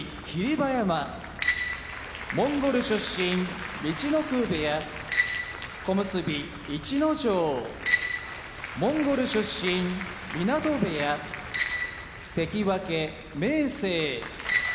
馬山モンゴル出身陸奥部屋小結・逸ノ城モンゴル出身湊部屋関脇・明生鹿児島県出身